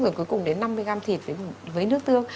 rồi cuối cùng đến năm mươi gram thịt với nước tương